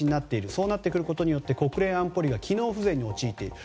そうなってくることによって国連安保理が機能不全に陥っている。